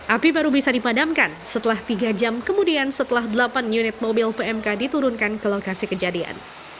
api baru bisa dipadamkan setelah tiga jam kemudian setelah delapan unit mobil pmk diturunkan ke lokasi kejadian